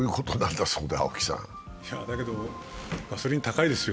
だけどガソリン高いですよ。